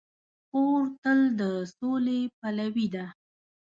خور تل د سولې پلوي ده.